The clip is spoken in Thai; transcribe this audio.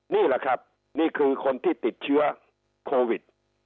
นี่แหละครับนี่คือคนที่ติดเชื้อโควิด